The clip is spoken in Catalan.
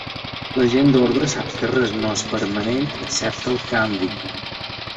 La gent d’ordre sap que res no és permanent excepte el canvi